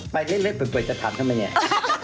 ไปเล่นเปลี่ยนจะทำทำไมเนี่ย